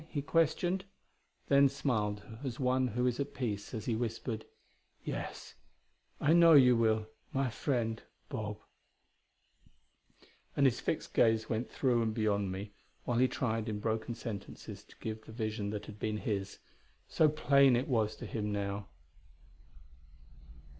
he questioned; then smiled as one who is at peace, as he whispered: "Yes, I know you will my friend, Bob " And his fixed gaze went through and beyond me, while he tried, in broken sentences, to give the vision that had been his. So plain it was to him now.